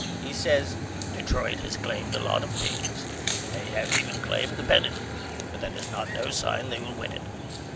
He says Detroit has claimed a lot of things and they have even claimed the pennant but that is not no sign they will win it.